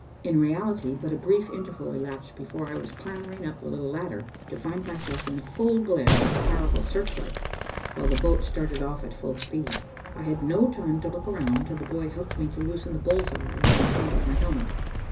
In reality but a brief interval elapsed before I was clambering up the little ladder, to find myself in the full glare of a powerful search light, while the boat started off at full speed. I had no time to look around till the boy helped me to loosen the bull's eye in the front of my helmet.